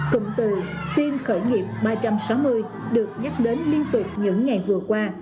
cùng từ tiên khởi nghiệp ba trăm sáu mươi được nhắc đến liên tục những ngày vừa qua